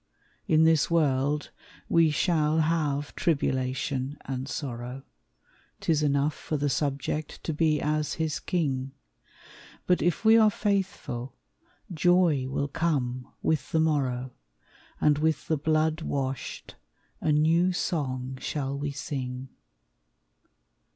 In this world we shall have tribulation and sorrow; 'Tis enough for the subject to be as his king; But if we are faithful, joy will come with the morrow, And with the blood washed a new song shall we sing.